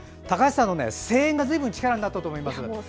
高橋さんの声援がずいぶん力になったと思います。